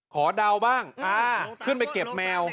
เดาบ้างขึ้นไปเก็บแมว